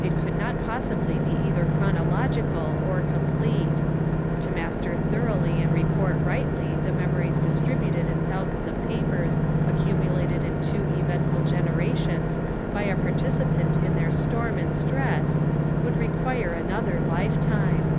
It could not possibly be either chronological or complete* To master thoroughly and report rightly the memories distributed in thousands of papers accumulated in two eventful generations by a participant in their storm and stress would require another lifetime.